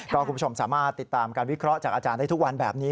คุณผู้ชมสามารถติดตามการวิเคราะห์จากอาจารย์ได้ทุกวันแบบนี้